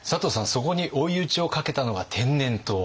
そこに追い打ちをかけたのが天然痘。